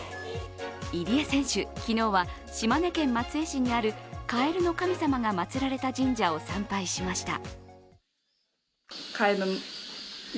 入江選手、昨日は島根県松江市にあるカエルの神様が祭られた神社を参拝しました。